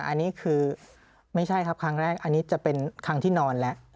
อันนี้คือไม่ใช่ครับครั้งแรกอันนี้จะเป็นครั้งที่นอนแล้ว